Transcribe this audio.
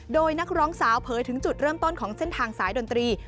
โดยนักร้องสาวเผยถึงจุดเริ่มต้นของเส้นทางสายดนตรี